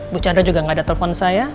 bu chandra juga gak ada telfon saya